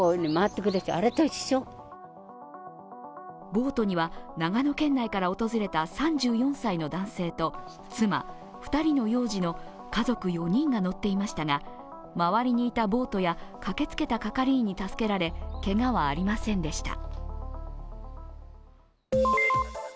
ボートには、長野県内から訪れた３４歳の男性と、妻、２人の幼児の家族４人が乗っていましたが、周りにいたボートや駆けつけた係員に助けられ、けがはありませんでした。